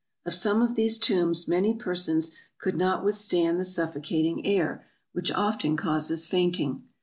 Of some of these tombs many persons could not withstand the suffocating air, which 360 AFRICA 361 often causes fainting.